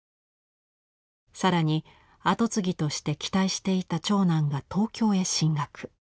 更に後継ぎとして期待していた長男が東京へ進学。